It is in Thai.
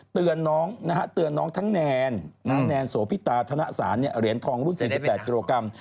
เตือนน้องทั้งแนนแนนโสพิตาธนสารเหรียญทองรุ่น๔๘กิโลกรัม